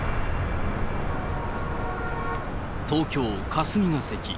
東京・霞が関。